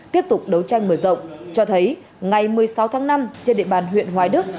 tiếp tục đấu tranh mở rộng cho thấy ngày một mươi sáu tháng năm trên địa bàn huyện hoài đức